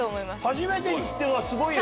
初めてにしてはすごいよね？